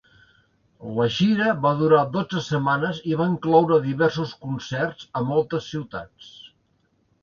La gira va durar dotze setmanes i va incloure diversos concerts a moltes ciutats.